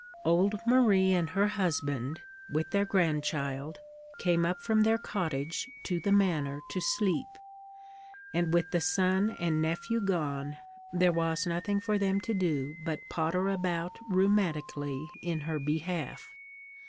Old Marie and her husband, with their grandchild, came up from their cottage to the manor to sleep; and with the son and nephew gone, there was nothing for them to do but potter about rheumatically in her behalf.